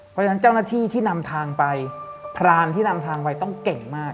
เพราะฉะนั้นเจ้าหน้าที่ที่นำทางไปพรานที่นำทางไปต้องเก่งมาก